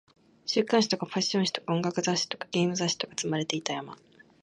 週刊誌とかファッション誌とか音楽雑誌とかゲーム雑誌が積まれていた山